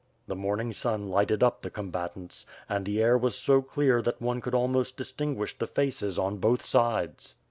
The morning sun lighted up the combatants, and the air was so clear that one could almost distinguish the faces on both sides.